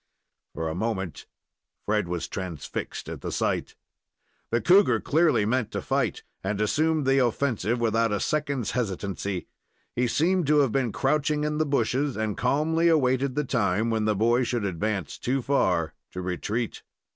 For a moment Fred was transfixed at the sight. The cougar clearly meant fight, and assumed the offensive without a second's hesitancy. He seemed to have been crouching in the bushes, and calmly awaited the time when the boy should advance too far to retreat.